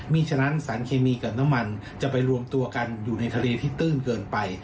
มีฉะนั้นสารเคมีกับน้ำมันจะไปรวมตัวกันอยู่ในทะเลที่ตื้นเกินไป